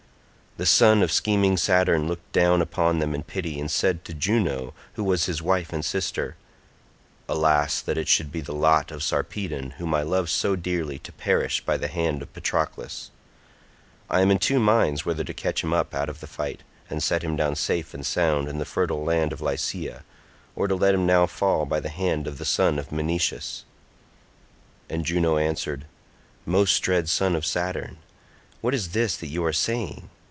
The son of scheming Saturn looked down upon them in pity and said to Juno who was his wife and sister, "Alas, that it should be the lot of Sarpedon whom I love so dearly to perish by the hand of Patroclus. I am in two minds whether to catch him up out of the fight and set him down safe and sound in the fertile land of Lycia, or to let him now fall by the hand of the son of Menoetius." And Juno answered, "Most dread son of Saturn, what is this that you are saying?